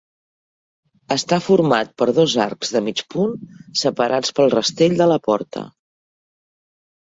Està format per dos arcs de mig punt separats pel rastell de la porta.